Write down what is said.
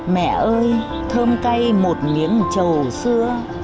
mẹ ơi thơm cay một miếng trầu xưa